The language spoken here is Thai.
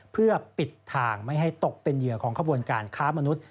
เพื่อปิดทางไม่ให้ตกเป็นเหยื่อของขบวนการค้ามนุษย